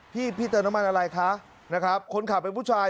พี่เติมน้ำมันอะไรคะคนขับเป็นผู้ชาย